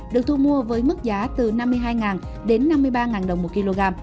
được thu mua với mức giá từ năm mươi hai đồng mỗi kg đến năm mươi ba đồng mỗi kg